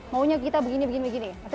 maunya kita begini begini